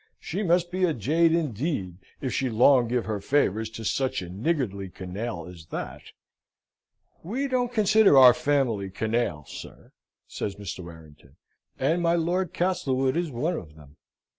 She must be a jade indeed, if she long give her favours to such a niggardly canaille as that!" "We don't consider our family canaille, sir," says Mr. Warrington, "and my Lord Castlewood is one of them."